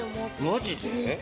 マジで？